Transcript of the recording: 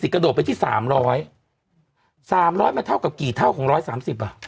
กระโดดไปที่สามร้อยสามร้อยมาเท่ากับกี่เท่าของร้อยสามสิบอ่ะ